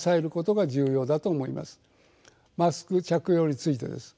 マスク着用についてです。